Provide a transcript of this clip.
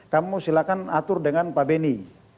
kamu silakan atur dengan pak beni